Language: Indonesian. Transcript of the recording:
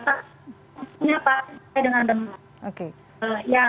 pasien pasien dengan demam